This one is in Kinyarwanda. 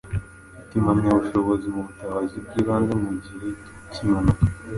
Mfite impamyabushobozi mu butabazi bw’ibanze mu gihe k’impanuka